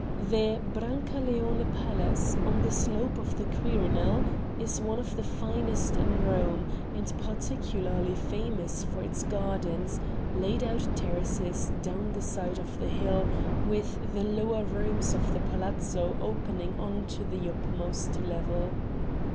The Brancaleone Palace, on the slope of the Quirinal, is one of the finest in Rome, and particularly famous for its gardens, laid out in terraces down the side of the hill, with the lower rooms of the palazzo opening on to the uppermost level.